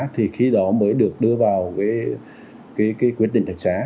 thì khi đó mới được đưa vào quyết định đặc sá